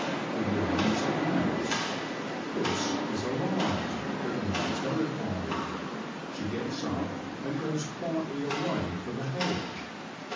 The ruse acts ; ''puss" is alarmed, but not terrified ; she gets up and goes quietly away for the hedge.